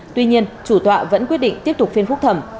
tuy nhiên chủ tọa vẫn quyết định tiếp tục phiên phúc thẩm